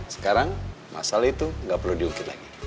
sekarang masalah itu nggak perlu diungkit lagi